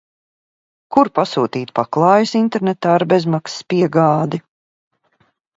Kur pasūtīt paklājus internetā ar bezmaksas piegādi?